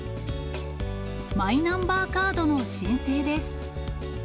マイナンバーカードの申請です。